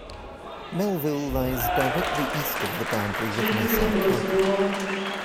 Melville lies directly east of the boundary with Nassau County.